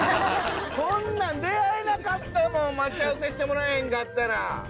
こんなん出会えなかったもん待ち合わせしてもらえへんかったら。